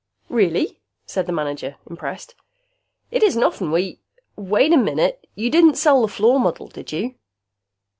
"Really?" said the manager, impressed. "It isn't often we wait a minute! You didn't sell the floor model, did you?"